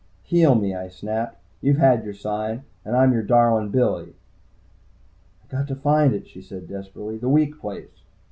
"Heal me!" I snapped at her. "You've had your sign, and I'm your darlin' Billy." "I got to find it," she said desperately. "The weak place."